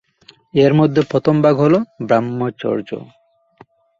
এর মধ্যে প্রথম ভাগ হল ব্রহ্মচর্য।